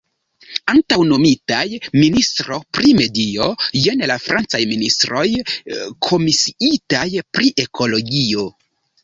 Antaŭe nomitaj "ministro pri medio", jen la francaj ministroj komisiitaj pri ekologio.